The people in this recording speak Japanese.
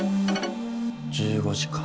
１５時か。